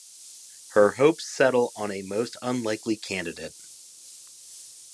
Her hopes settle on a most unlikely candidate.